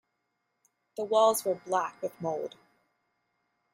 The walls were black with mould.